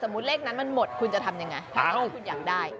ถ้าสมมติเลขนั้นมันหมดคุณจะเเคยทำอย่างไงว่าคุณคุณอย่างได้